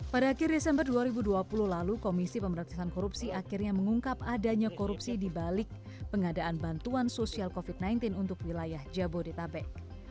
pada akhir desember dua ribu dua puluh lalu komisi pemberantasan korupsi akhirnya mengungkap adanya korupsi dibalik pengadaan bantuan sosial covid sembilan belas untuk wilayah jabodetabek